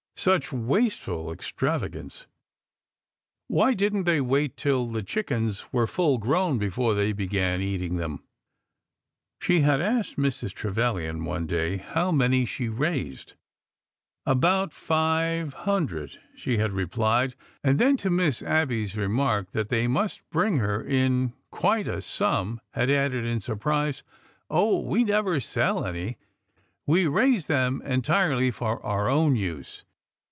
Such wasteful extravagance ! Why did n't they wait till the chickens were full grown before they began eating them? She had asked Mrs. Tre vilian one day how many she raised. '' About five hun dred," she had replied, and then to Miss Abby's remark that they must bring her in quite a sum, had added in surprise, " Oh, we never sell any. We raise them entirely for our own use.